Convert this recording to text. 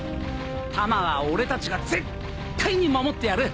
玉は俺たちが絶対に守ってやる！